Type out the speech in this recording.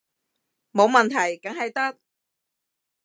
冇問題，梗係得